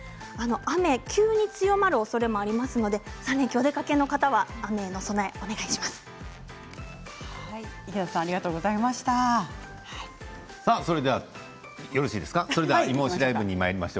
雨が急に強まるおそれもありますので３連休お出かけの方は備えをよろしくお願いします。